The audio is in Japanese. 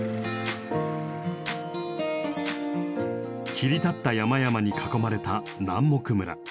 切り立った山々に囲まれた南牧村。